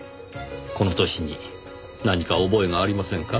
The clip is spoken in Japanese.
この年に何か覚えがありませんか？